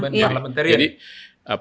di parlemen terian